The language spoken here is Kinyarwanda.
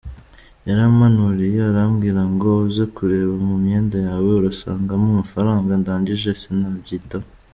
Yarampanuriye arambwira ngo uze kureba mu myenda yawe urasangamo amafaranga, ndangije sinabyitaho.